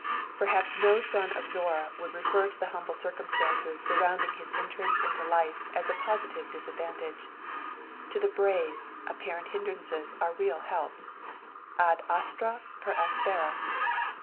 Perhaps no son of Zorra would refer to the humble circumstances surrounding his entrance into life as a positive disadvantage. To the brave, apparent hindrances are real helps. "Ad astra per aspera."